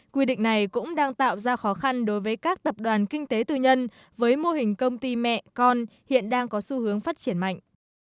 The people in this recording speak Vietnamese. quy định này cũng đang tạo ra khó khăn đối với các tập đoàn kinh tế tư nhân với mô hình công ty mẹ con hiện đang có xu hướng phát triển mạnh